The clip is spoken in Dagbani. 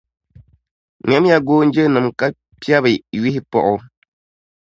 Ŋmɛmiya goonjinim’ ka piɛbi yuhi paɣi o.